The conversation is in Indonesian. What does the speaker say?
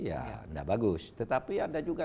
ya tidak bagus tetapi ada juga